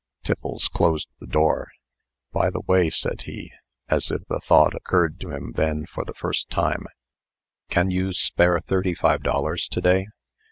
Tiffles closed the door. "By the way," said he, as if the thought occurred to him then for the first time, "can you spare thirty five dollars to day?